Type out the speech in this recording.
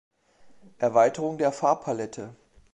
Erweiterung der Farbpalette.